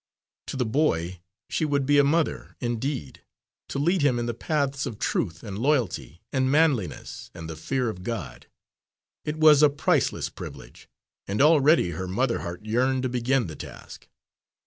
To the boy she would be a mother indeed; to lead him in the paths of truth and loyalty and manliness and the fear of God it was a priceless privilege, and already her mother heart yearned to begin the task.